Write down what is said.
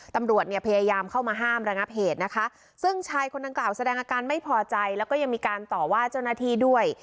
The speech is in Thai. ตำรวจเนี่ยพยายามเข้ามาห้ามระงับเหตุนะคะซึ่งชายคนดังกล่าวแสดงอาการไม่พอใจแล้วก็ยังมีการต่อว่าเจ้าหน้าที่ด้วย